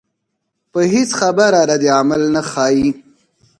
پۀ هېڅ خبره ردعمل نۀ ښائي